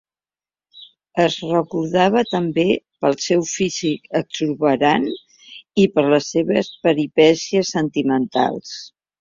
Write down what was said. És recordada també pel seu físic exuberant, i per les seves peripècies sentimentals.